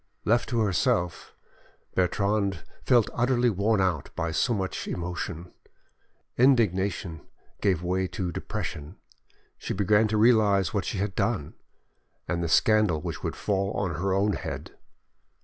Left to herself, Bertrande felt utterly worn out by so much emotion; indignation gave way to depression. She began to realise what she had done, and the scandal which would fall on her own head.